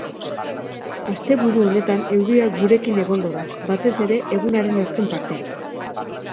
Asteburu honetan euria gurekin egongo da, batez ere egunaren azken partean.